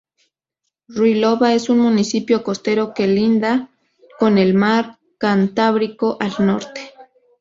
Ruiloba es un municipio costero que linda con el mar Cantábrico al Norte.